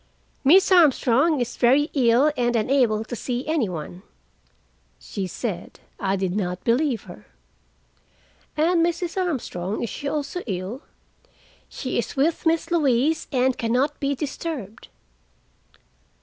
"Miss Armstrong is very ill, and unable to see any one," she said. I did not believe her. "And Mrs. Armstrong—is she also ill?" "She is with Miss Louise and can not be disturbed."